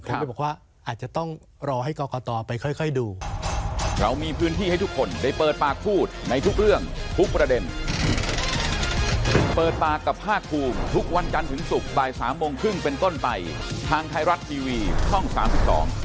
เพราะฉะนั้นบอกว่าอาจจะต้องรอให้ก่อก่อต่อไปค่อยดู